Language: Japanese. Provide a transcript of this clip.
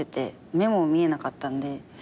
目も見えなかったんで。